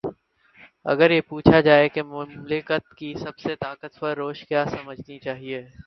اگر یہ پوچھا جائے کہ مملکت کی سب سے طاقتور روش کیا سمجھنی چاہیے۔